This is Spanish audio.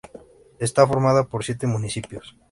Está formada por siete municipios.